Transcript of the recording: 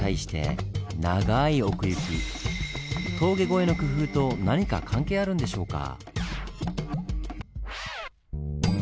峠越えの工夫と何か関係あるんでしょうか。